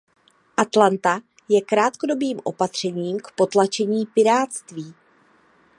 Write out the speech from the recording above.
Atalanta je krátkodobým opatřením k potlačení pirátství.